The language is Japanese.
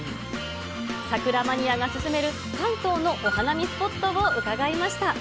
桜マニアが勧める、関東のお花見スポットを伺いました。